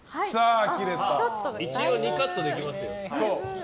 一応２カットできますよ。